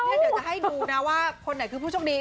เดี๋ยวจะให้ดูนะว่าคนไหนคือผู้โชคดี